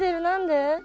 何で？